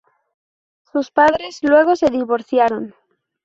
Sus padres luego se divorciaron.